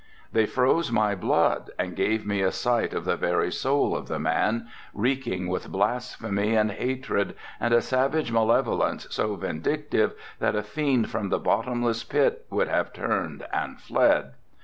They froze my blood and gave me a sight of the very soul of the man, reeking with blasphemy and hatred and a savage malevolence so vindictive that a fiend from the bottomless pit would have turned and fled.